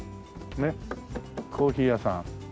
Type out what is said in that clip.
ねっコーヒー屋さん。